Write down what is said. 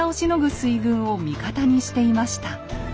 水軍を味方にしていました。